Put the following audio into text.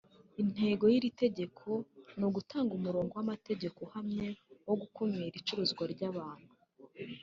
Intego y’iri tegeko ni ugutanga umurongo w’amategeko uhamye wo gukumira icuruzwa ry’abantu